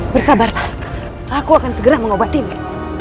bersabarlah aku akan segera mengobatinmu